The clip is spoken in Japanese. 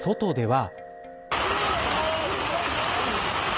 外では。